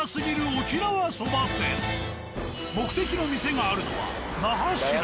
目的の店があるのは那覇市内。